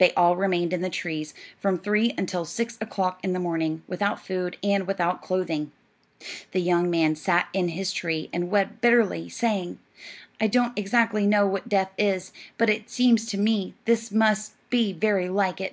They all remained in the trees from three until six o'clock in the morning, without food and without clothing. The young man sat in his tree and wept bitterly, saying, "I don't exactly know what death is, but it seems to me this must be very like it."